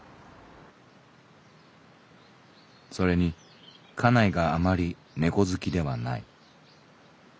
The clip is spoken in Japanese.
「それに家内があまりネコ好きではない。